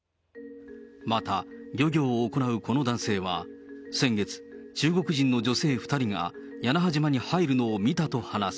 また漁業を行うこの男性は、先月、中国人の女性２人が屋那覇島に入るのを見たと話す。